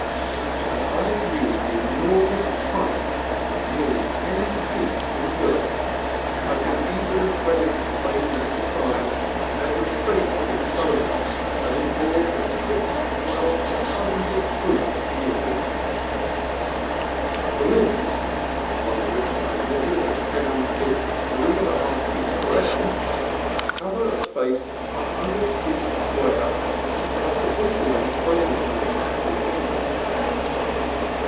When I viewed the enor mous trunk, nearly ten feet in girth, I could easily A HUGE GRAPEVINE 83 credit its claim as to size, and the statement of its owner that it bore from six to twelve tons of fruit yearly. The limbs (one of which I measured and found it three and a half feet around) cover a space a hundred feet square, and are supported on a frame work of massive timbers.